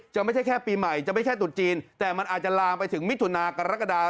ไม่ใช่แค่ปีใหม่จะไม่ใช่ตุดจีนแต่มันอาจจะลามไปถึงมิถุนากรกฎา